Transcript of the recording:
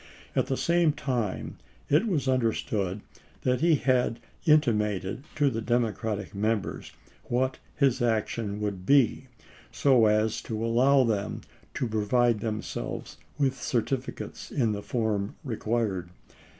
At the same time it was understood that he had inti mated to the Democratic Members what his action would be, so as to allow them to provide them selves with certificates in the form required.